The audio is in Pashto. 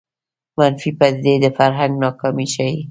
منفي پدیدې د فرهنګ ناکامي ښيي